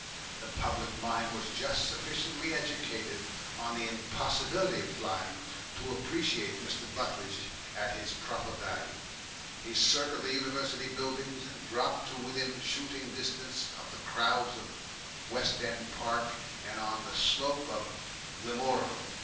The public mind was just sufficiently educated in the impossibility of flying to appreciate Mr. Butteridge at his proper value. He circled the University buildings, and dropped to within shouting distance of the crowds in West End Park and on the slope of Gilmorehill.